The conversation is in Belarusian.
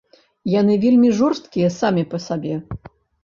Яны вельмі жорсткія самі па сабе.